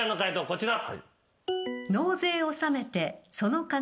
こちら。